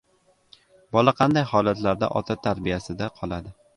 Bola qanday holatlarda ota tarbiyasida qoladi?